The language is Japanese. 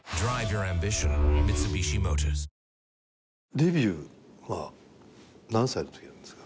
デビューは何歳のときなんですか？